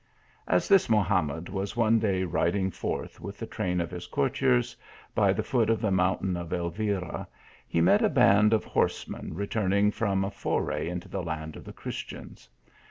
As this Mohamed was one day riding forth, with a train of his courtiers, by the foot of the mountain of Elvira, he met a band of horsemen returning from a foray into the land of the Christians.